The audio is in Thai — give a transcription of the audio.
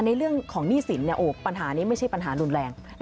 ในเรื่องของหนี้สินปัญหานี้ไม่ใช่ปัญหารุนแรง